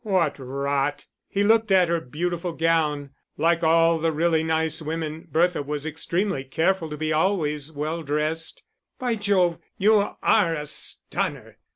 '" "What rot!" He looked at her beautiful gown. Like all really nice women, Bertha was extremely careful to be always well dressed. "By Jove, you are a stunner!"